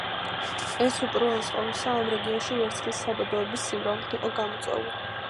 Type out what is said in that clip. ეს უპირველეს ყოვლისა ამ რეგიონში ვერცხლის საბადოების სიმრავლით იყო გამოწვეული.